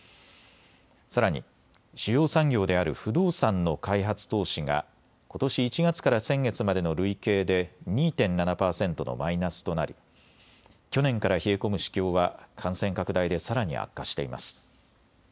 さらに主要産業である不動産の開発投資がことし１月から先月までの累計で２．７％のマイナスとなり去年から冷え込む市況は感染拡大でさらに悪化しています。